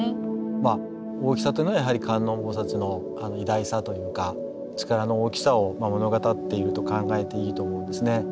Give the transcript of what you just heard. まあ大きさというのはやはり観音菩の偉大さというか力の大きさを物語っていると考えていいと思うんですね。